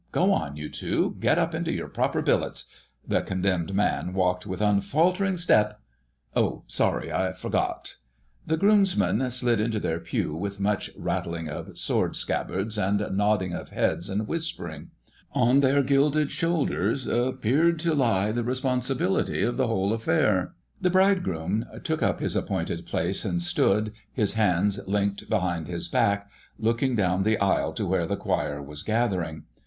Go on, you two, get up into your proper billets.... 'The condemned man walked with unfaltering step'—oh, sorry, I forgot...." The Groomsmen slid into their pew with much rattling of sword scabbards and nodding of heads and whispering. On their gilded shoulders appeared to lie the responsibility of the whole affair. The Bridegroom took up his appointed place and stood, his hands linked behind his back, looking down the aisle to where the choir was gathering.